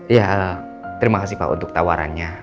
ya terima kasih pak untuk tawarannya